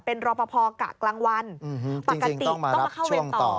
เป็นรอบพอร์กะกลางวันจริงจริงต้องมารับช่วงต่อ